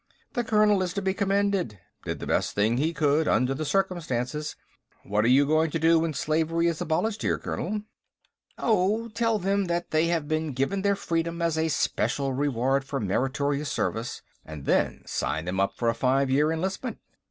"The colonel is to be commended; did the best thing he could, under the circumstances. What are you going to do when slavery is abolished here, Colonel?" "Oh, tell them that they have been given their freedom as a special reward for meritorious service, and then sign them up for a five year enlistment."